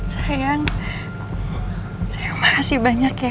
sayang makasih banyak ya